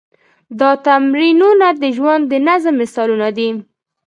دا تمرینونه د ژوند د نظم مثالونه وو.